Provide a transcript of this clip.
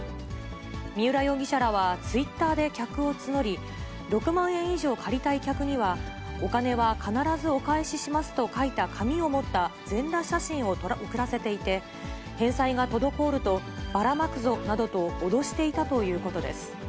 三浦容疑者らはツイッターで客を募り、６万円以上借りたい客には、お金は必ずお返ししますと書いた紙を持った全裸写真を送らせていて、返済が滞ると、ばらまくぞなどと脅していたということです。